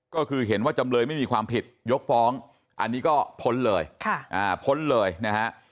ก็คือเห็นว่าจำเลยไม่มีความผิดยกฟ้องอันนี้ก็พ้นเลยพ้นเลยนะฮะ